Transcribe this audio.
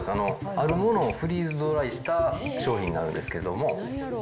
あるものをフリーズドライした商品になるんですけれども。